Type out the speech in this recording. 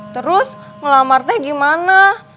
terus ngelamar teh gimana